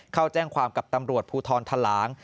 เข้าแจ้งความกับตำรวจภูทรทะลาง